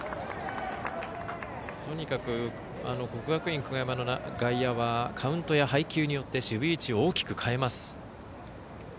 とにかく国学院久我山の外野はカウントや配球によって守備位置を大きく変えます。